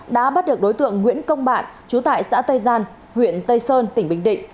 đã bắt được đối tượng nguyễn công bạn trú tại xã tây gian huyện tây sơn tỉnh bình định